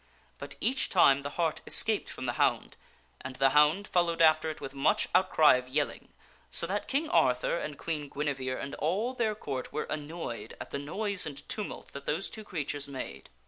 But each time the hart escaped from the hound, and the hound followed after it with much outcry of yelling so that King Arthur and Queen Gui nevere and all their Court were annoyed at the noise and tumult that those two creatures made.